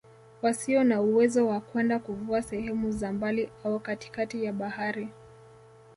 Wasio na uwezo wa kwenda kuvua sehemu za mbali au katikati ya bahari